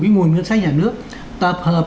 cái nguồn ngân sách nhà nước tập hợp